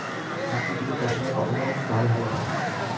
আপনি যদি তাঁর সঙ্গে কথা বলেন তা হলে ভাল হয়।